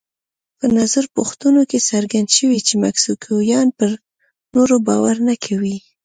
په نظر پوښتنو کې څرګنده شوې چې مکسیکویان پر نورو باور نه کوي.